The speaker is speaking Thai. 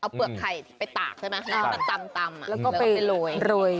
เอาเปลือกไข่ไปตากใช่ไหมตำแล้วก็ไปโรย